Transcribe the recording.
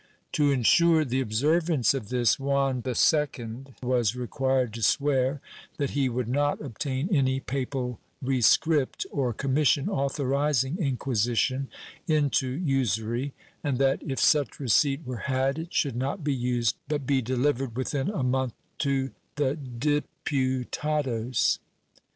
To ensure the observance of this, Juan II was required to swear that he would not obtain any papal rescript or commission authorizing inquisition into usury and that, if such rescript were had, it should not be used but be delivered within a month to the Diputados.